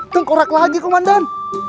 tengkorak lagi komandan